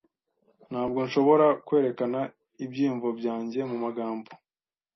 Ntabwo nshobora kwerekana ibyiyumvo byanjye mumagambo.